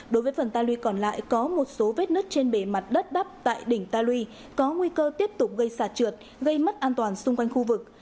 đối với phần ta lui còn lại có một số vết nứt trên bề mặt đất đắp tại đỉnh ta lui có nguy cơ tiếp tục gây sạt trượt gây mất an toàn xung quanh khu vực